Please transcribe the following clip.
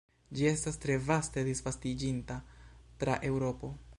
Ĝi estas tre vaste disvastiĝinta tra Eŭropo.